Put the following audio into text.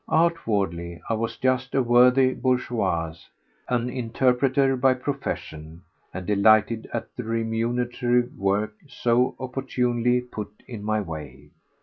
Outwardly I was just a worthy bourgeois, an interpreter by profession, and delighted at the remunerative work so opportunely put in my way.